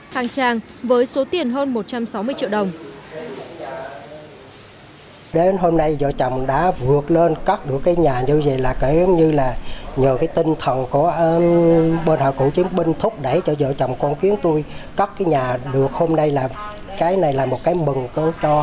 khang trang với số tiền hơn một trăm sáu mươi triệu đồng